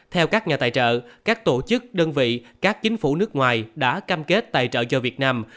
theo các nhà tài trợ các tổ chức đơn vị các chính phủ nước ngoài đã cam kết tài trợ cho việt nam